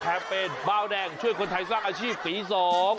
แพทย์เป็นบ้าวแดงช่วยคนไทยสร้างอาชีพฤทธิ์สอง